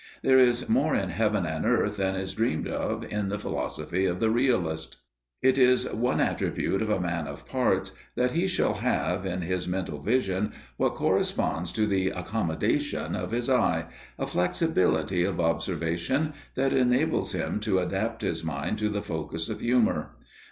There is more in heaven and earth than is dreamed of in the philosophy of the Realist. It is one attribute of a man of parts that he shall have, in his mental vision, what corresponds to the "accommodation" of his eye, a flexibility of observation that enables him to adapt his mind to the focus of humour.